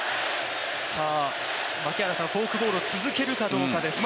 フォークボールを続けるかどうかですね。